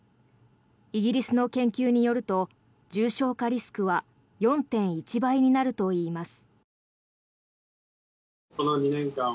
イギリスの研究によると重症化リスクは４．１倍になるといいます。